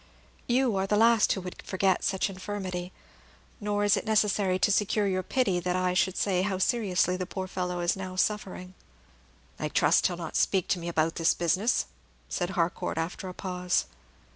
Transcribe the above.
You are the last who would forget such infirmity; nor is it necessary to secure your pity that I should say how seriously the poor fellow is now suffering." "I trust he'll not speak to me about this business," said Harcourt, after a pause.